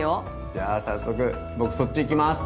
じゃあ早速僕そっち行きます！